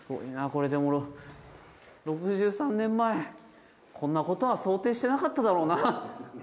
これでも６３年前こんなことは想定してなかっただろうな。